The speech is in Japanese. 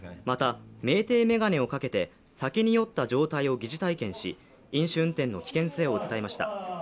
また酩酊メガネをかけて酒に酔った状態を疑似体験し、飲酒運転の危険性を訴えました。